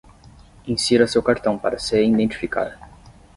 Insira seu cartão para se identificar.